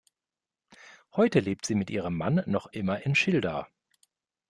Heute lebt sie mit ihrem Mann noch immer in Schilda.